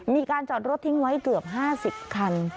มีการจอดรถทิ้งไว้เกือบ๕๐คัน